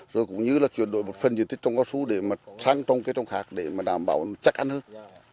rồi cũng như là chuyển đổi một phần diện tích trồng cao su sang trong cây trồng cao su để đảm bảo chắc ăn hơn